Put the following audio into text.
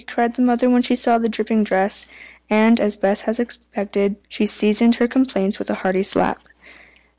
cried the mother when she saw the dripping dress; and, as Bess had expected, she seasoned her complaints with a hearty slap.